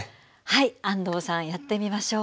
はい安藤さんやってみましょう。